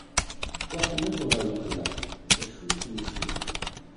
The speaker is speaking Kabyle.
Ruḥen akk ɣer lexla: qeccuc meccuc.